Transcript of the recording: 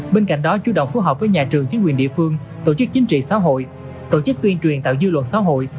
bên cạnh đó chú động phối hợp với nhà trường chính quyền địa phương tổ chức chính trị xã hội tổ chức tuyên truyền tạo dư luận xã hội